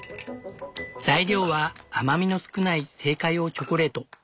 材料は甘みの少ない製菓用チョコレート。